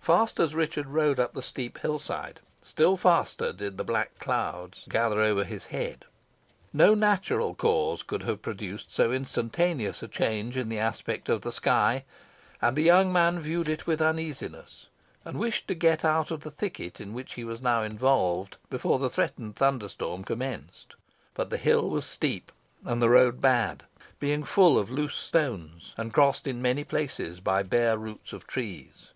Fast as Richard rode up the steep hill side, still faster did the black clouds gather over his head. No natural cause could have produced so instantaneous a change in the aspect of the sky, and the young man viewed it with uneasiness, and wished to get out of the thicket in which he was now involved, before the threatened thunder storm commenced. But the hill was steep and the road bad, being full of loose stones, and crossed in many places by bare roots of trees.